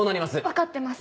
分かってます。